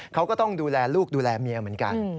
เขาก็ต้องดูแลลูกดูแลเมียเหมือนกัน